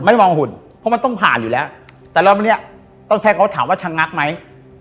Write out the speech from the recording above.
มองหุ่นเพราะมันต้องผ่านอยู่แล้วแต่รอบเนี้ยต้องใช้เขาถามว่าชะงักไหม